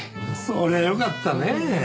そりゃ良かったねぇ。